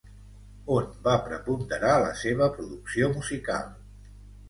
On va preponderar la seva producció musical?